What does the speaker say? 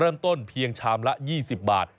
เริ่มต้นเพียงชามละ๒๐บาท